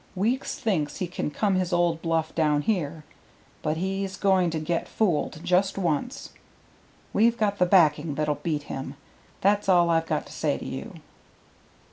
Weeks thinks he can come his old bluff down here, but he's going to get fooled just once. We've got the backing that'll beat him. That's all I've got to say to you."